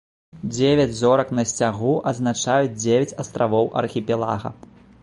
Дзевяць зорак на сцягу азначаюць дзевяць астравоў архіпелага.